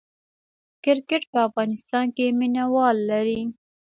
کرکټ په افغانستان کې مینه وال لري